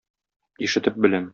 Ишетеп беләм.